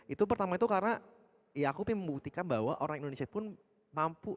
itu pertama itu karena ya aku ingin membuktikan bahwa orang indonesia pun mampu